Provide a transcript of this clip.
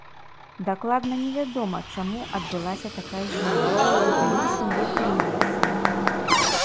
Дакладна невядома, чаму адбылася такая змена, але існуе тры версіі.